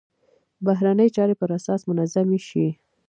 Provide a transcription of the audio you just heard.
بهرنۍ چارې پر اساس منظمې شي.